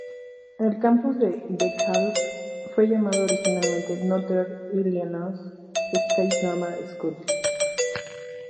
El campus de DeKalb fue llamado originalmente "Northern Illinois State Normal School".